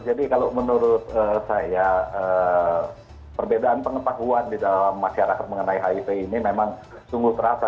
jadi kalau menurut saya perbedaan pengetahuan di dalam masyarakat mengenai hiv ini memang sungguh terasa